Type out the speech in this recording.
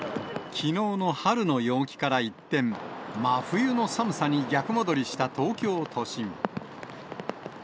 きのうの春の陽気から一転、真冬の寒さに逆戻りした東京都心。